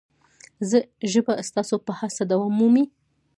ژبه ستاسو په هڅه دوام مومي.